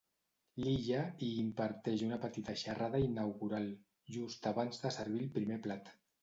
L'Illa hi imparteix una petita xerrada inaugural, just abans de servir el primer plat.